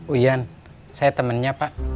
uyan saya temennya pak